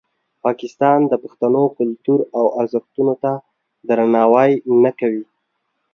پاکستان د پښتنو کلتور او ارزښتونو ته درناوی نه کوي.